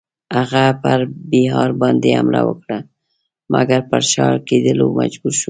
هغه پر بیهار باندی حمله وکړه مګر پر شا کېدلو مجبور شو.